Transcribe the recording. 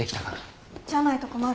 じゃないと困る。